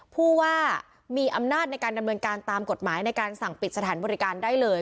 ผู้ว่ามีอำนาจในการดำเนินการตามกฎหมายในการสั่งปิดสถานบริการได้เลย